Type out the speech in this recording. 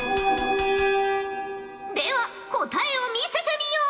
では答えを見せてみよ！